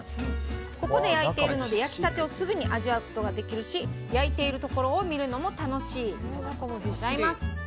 ここで焼いているので焼きたてをすぐに味わうことができるし焼いているところを見るのも楽しいということです。